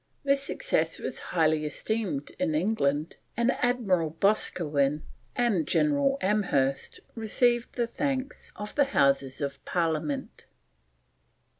This success was highly esteemed in England, and Admiral Boscawen and General Amherst received the thanks of the Houses of Parliament.